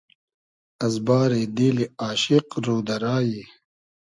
از باری دیلی آشیق رو دۂ رایی